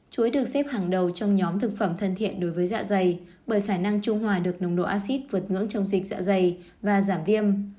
chuối được xếp hàng đầu trong nhóm thực phẩm thân thiện đối với dạ dày bởi khả năng trung hòa được nồng độ acid vượt ngưỡng trong dịch dạ dày và giảm viêm